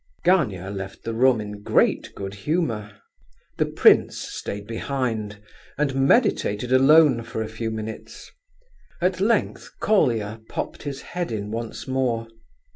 _" Gania left the room in great good humour. The prince stayed behind, and meditated alone for a few minutes. At length, Colia popped his head in once more.